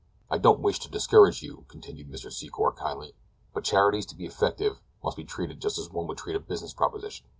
"I don't wish to discourage you," continued Mr. Secor kindly, "but charities to be effective must be treated just as one would treat a business proposition.